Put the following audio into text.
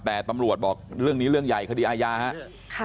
แต่ตำรวจบอกเรื่องนี้เรื่องใหญ่คดีอาญาครับ